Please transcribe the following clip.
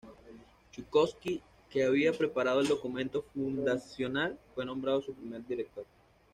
Zhukovski, que había preparado el documento fundacional, fue nombrado su primer director.